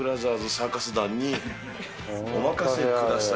サーカス団にお任せください。